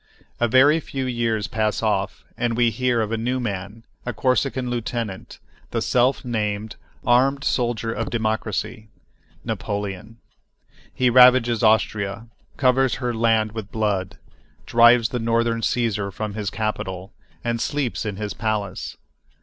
A very few years pass off, and we hear of a new man, a Corsican lieutenant, the self named "armed soldier of democracy," Napoleon. He ravages Austria, covers her land with blood, drives the Northern Cæsar from his capital, and sleeps in his palace.